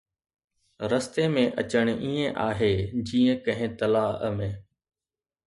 رستي ۾ اچڻ ائين آهي جيئن ڪنهن تلاءَ ۾